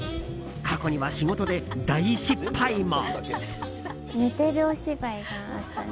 過去には仕事で大失敗も。